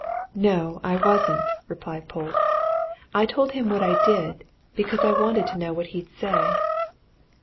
"No, I wasn't," replied Polke. "I told him what I did because I wanted to know what he'd say."